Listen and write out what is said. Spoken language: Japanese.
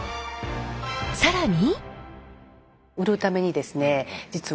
更に。